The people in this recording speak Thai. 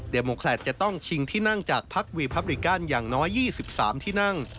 โมแคลตจะต้องชิงที่นั่งจากพักวีพับริกันอย่างน้อย๒๓ที่นั่ง